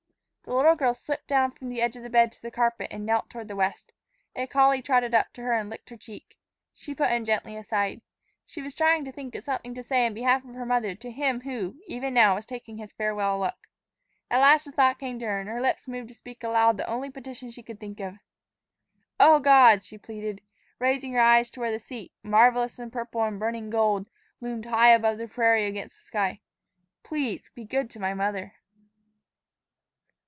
The little girl slipped down from the edge of the bed to the carpet and knelt toward the west. A collie trotted up to her and licked her cheek. She put him gently aside. She was trying to think of something to say in behalf of her mother to Him who, even now, was taking His farewell look. At last a thought came to her, and her lips moved to speak aloud the only petition she could think of: "O God," she pleaded, raising her eyes to where the seat, marvelous in purple and burning gold, loomed high over the prairie against the sky, "please be good to my mother."